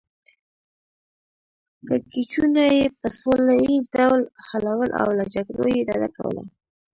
کړکیچونه یې په سوله ییز ډول حلول او له جګړو یې ډډه کوله.